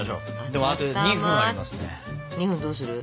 でもあと２分ありますね。